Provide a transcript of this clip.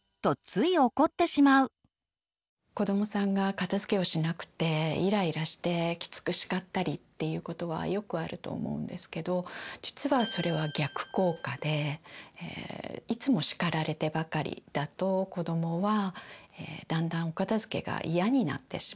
子どもさんが片づけをしなくてイライラしてきつく叱ったりっていうことはよくあると思うんですけど実はそれは逆効果でいつも叱られてばかりだと子どもはだんだんお片づけが嫌になってしまう。